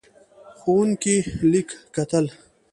ښوونکی لیک کتل.